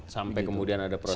sampai kemudian ada proses